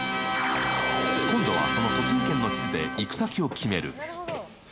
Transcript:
今度はその栃木県の地図で行き先を決める。